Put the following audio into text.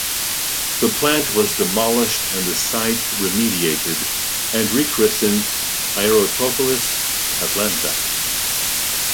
The plant was demolished and the site remediated, and re-christened Aerotropolis Atlanta.